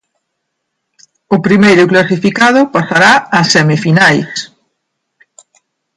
O primeiro clasificado pasará ás semifinais.